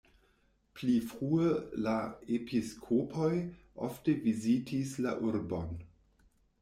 Pli frue la episkopoj ofte vizitis la urbon.